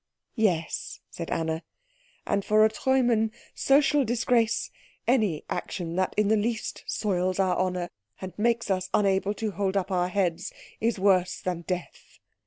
"Yes," said Anna. "And for a Treumann, social disgrace, any action that in the least soils our honour and makes us unable to hold up our heads, is worse than death."